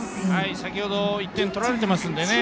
先ほど１点を取られていますので。